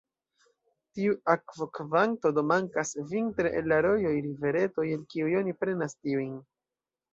Tiu akvokvanto do mankas vintre el la rojoj, riveretoj, el kiuj oni prenas tiujn.